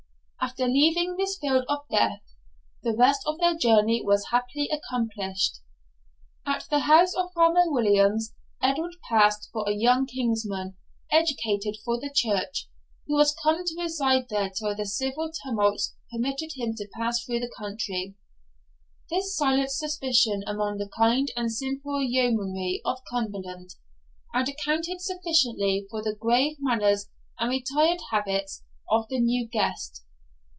After leaving this field of death, the rest of their journey was happily accomplished. At the house of Farmer Williams, Edward passed for a young kinsman, educated for the church, who was come to reside there till the civil tumults permitted him to pass through the country. This silenced suspicion among the kind and simple yeomanry of Cumberland, and accounted sufficiently for the grave manners and retired habits of the new guest.